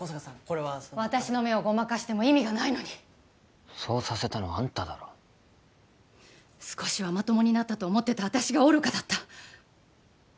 これはその私の目をごまかしても意味がないのにそうさせたのはあんただろ少しはまともになったと思ってた私が愚かだった